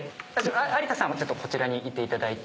有田さんもこちらにいていただいて。